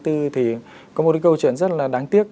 thì có một câu chuyện rất là đáng tiếc